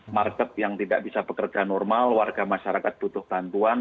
market yang tidak bisa bekerja normal warga masyarakat butuh bantuan